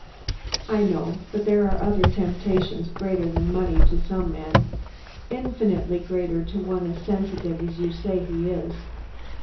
"I know; but there are other temptations greater than money to some men; infinitely greater to one as sensitive as you say he is.